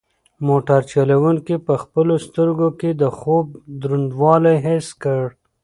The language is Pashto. موټر چلونکي په خپلو سترګو کې د خوب دروندوالی حس کړ.